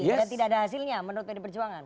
dan tidak ada hasilnya menurut pd perjuangan